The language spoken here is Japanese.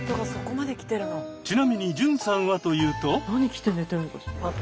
ちなみに純さんはというと。